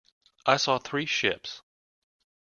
I saw three ships.